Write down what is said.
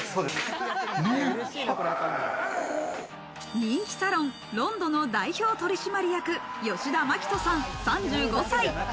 人気サロン、ロンドの代表取締役・吉田牧人さん、３５歳。